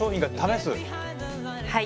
はい。